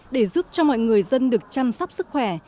để giúp cho mọi người dân được chăm sóc sức khỏe